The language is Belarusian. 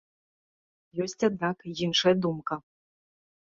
Ёсць аднак іншая думка.